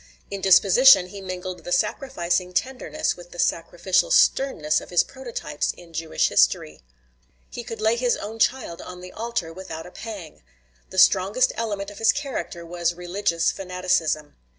In disposition he mingled the sacrificing tenderness with the sacrificial sternness of his prototypes in Jewish history. He could lay his own child on the altar without a pang. The strongest element of his character was religious fanaticism.